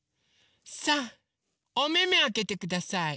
さあおめめあけてください。